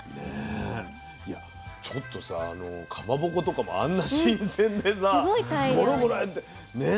いやちょっとさかまぼことかもあんな新鮮でさごろごろ入ってね